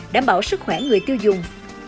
đảm bảo sức khỏe người tiêu dùng